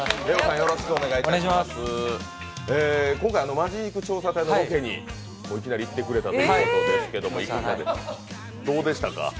今回「本気肉調査隊」のロケに行ってくれたということですけどどうでしたか？